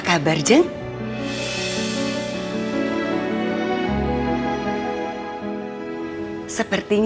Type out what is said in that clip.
kita harus bersama sesok feeding